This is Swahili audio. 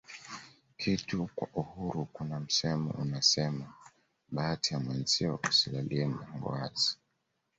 kitu kwa uhuru Kuna msemo unasema bahati ya mwenzio usilalie mlango wazi